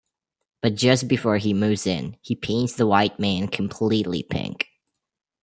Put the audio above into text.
But just before he moves in, he paints the white man completely pink.